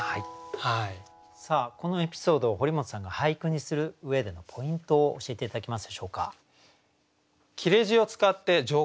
さあこのエピソードを堀本さんが俳句にする上でのポイントを教えて頂けますでしょうか。